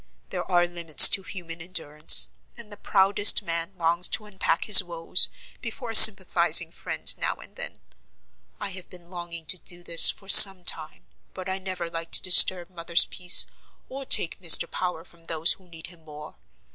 There are limits to human endurance, and the proudest man longs to unpack his woes before a sympathizing friend now and then. I have been longing to do this for some time; but I never like to disturb mother's peace, or take Mr. Power from those who need him more.